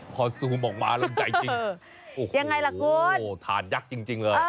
พอสูมออกมาเรื่องใจจริงอย่างไรล่ะกูฝ์โอ้ถาดยักษ์จริงเลย